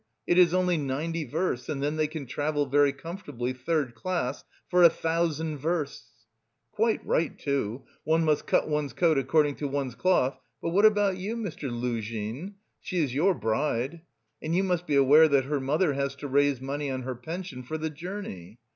It is only ninety versts and then they can 'travel very comfortably, third class,' for a thousand versts! Quite right, too. One must cut one's coat according to one's cloth, but what about you, Mr. Luzhin? She is your bride.... And you must be aware that her mother has to raise money on her pension for the journey.